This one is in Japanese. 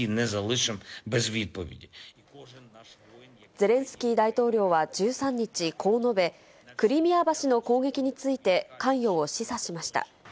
ゼレンスキー大統領は１３日、こう述べ、クリミア橋の攻撃について関与を示唆しました。